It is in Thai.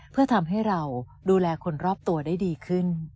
เพื่อทำให้เราดูแลคนรอบตัวได้ดีขึ้น